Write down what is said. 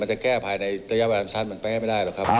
จะแก้ภายในระยะเวลาสั้นมันแก้ไม่ได้หรอกครับ